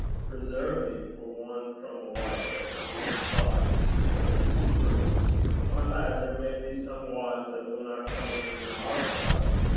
'Preserve me for ane frae a wife that comes unsoucht,' returned the weaver. 'But, my lad, there may be some wives that winna come whan they are soucht.